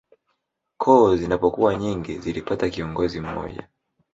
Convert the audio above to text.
Koo zinapokuwa nyingi zilipata kiongozi mmoja